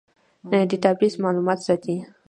ډیټابیس معلومات ساتي